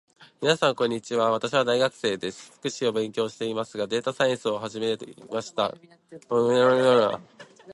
みなさん、こんにちは。私は大学生です。福祉を専門に勉強していますが、データサイエンスをはじめとした幅広い学問にも触れるようにしています。